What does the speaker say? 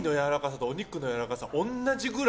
お肉やわらかい？